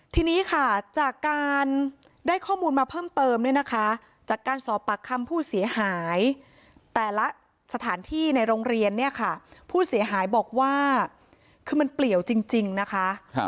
ทีนี้ค่ะจากการได้ข้อมูลมาเพิ่มเติมเนี่ยนะคะจากการสอบปากคำผู้เสียหายแต่ละสถานที่ในโรงเรียนเนี่ยค่ะผู้เสียหายบอกว่าคือมันเปลี่ยวจริงนะคะ